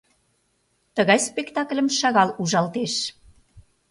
Тыгай спектакльым шагал ужалтеш.